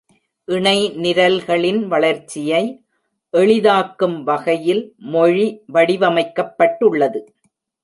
இணை நிரல்களின் வளர்ச்சியை "எளிதாக்கும் வகையில்" மொழி வடிவமைக்கப்பட்டுள்ளது.